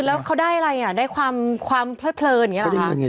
แล้วเขาได้อะไรอ่ะได้ความเพลิดเพลินอย่างนี้หรอคะ